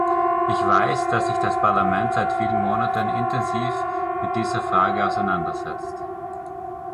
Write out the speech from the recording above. Ich weiß, dass sich das Parlament seit vielen Monaten intensiv mit dieser Frage auseinandersetzt.